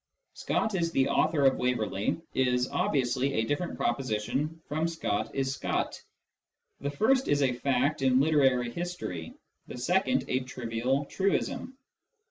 " Scott is the author of Waverley " is obviously a different proposition from " Scott is Scott ": the first is a fact in literary history, the second a trivial truism.